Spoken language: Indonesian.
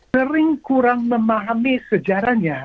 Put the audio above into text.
sering kurang memahami sejarahnya